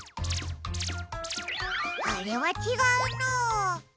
あれはちがうな。